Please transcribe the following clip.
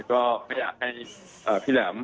ก็ไม่อยากให้พี่แหลม